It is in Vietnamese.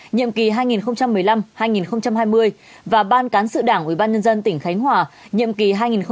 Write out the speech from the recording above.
nhiệm kỳ hai nghìn một mươi năm hai nghìn hai mươi và ban cán sự đảng ủy ban nhân dân tỉnh khánh hòa nhiệm kỳ hai nghìn một mươi một hai nghìn một mươi sáu